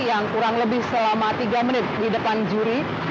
yang kurang lebih selama tiga menit di depan juri